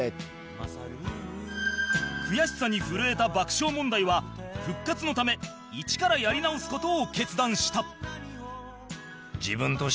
悔しさに震えた爆笑問題は復活のため１からやり直す事を決断した